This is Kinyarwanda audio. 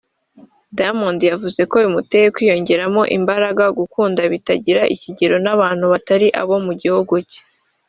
Diamond yavuze ko bimuteye kwiyongeramo imbaraga gukunda bitagira ikigero n’abantu batari abo mu gihugu cye